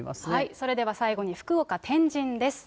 それでは最後に福岡・天神です。